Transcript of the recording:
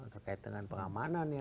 terkait dengan pengamanan ya